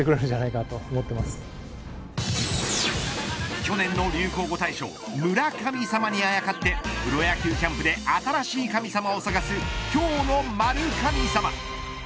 去年の流行語大賞村神様にあやかってプロ野球キャンプで新しい神様を探すきょうの○神様。